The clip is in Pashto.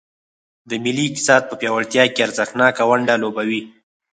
د ملي اقتصاد په پیاوړتیا کې ارزښتناکه ونډه لوبوي.